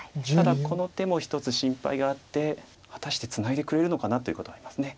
ただこの手も一つ心配があって「果たしてツナいでくれるのかな」ということはあります。